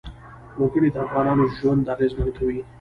وګړي د افغانانو ژوند اغېزمن کوي.